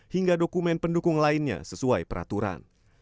hingga dokumen pendukung lainnya sesuai peraturan